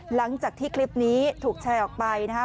หลังจากที่คลิปนี้ถูกแชร์ออกไปนะครับ